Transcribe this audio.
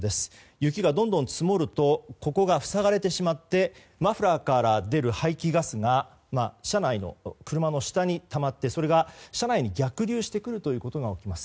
雪がどんどん積もるとここが塞がれてしまってマフラーから出る排気ガスが車内の、車の下にたまってそれが車内に逆流してくるということが起きます。